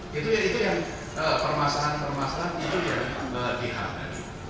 jadi itu yang permasalahan permasalahan itu yang dihadapi